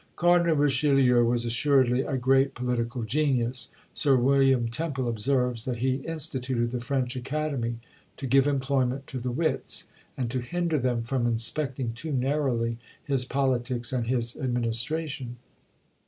Cardinal Richelieu was assuredly a great political genius. Sir William Temple observes, that he instituted the French Academy to give employment to the wits, and to hinder them from inspecting too narrowly his politics and his administration.